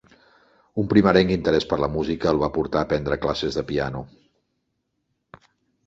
Un primerenc interès per la música el va portar a prendre classes de piano.